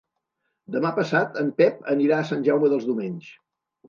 Demà passat en Pep anirà a Sant Jaume dels Domenys.